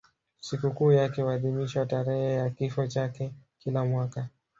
Sikukuu yake huadhimishwa tarehe ya kifo chake kila mwaka.